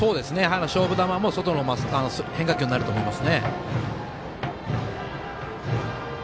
勝負球は外の変化球になると思います。